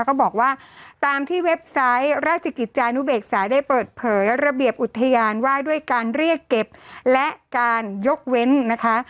ก็บอกว่าตามที่เว็บไซต์ราชกิจจานุเบกษาได้เปิดเผยระเบียบอุทยานว่าด้วยการเรียกเก็บและการยกเว้นนะคะ